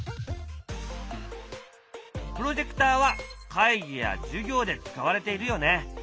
プロジェクターは会議や授業で使われているよね。